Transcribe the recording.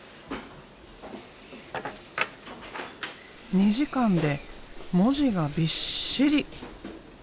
２時間で文字がびっしり。